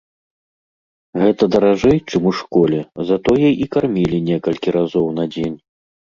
Гэта даражэй, чым у школе, затое і кармілі некалькі разоў на дзень.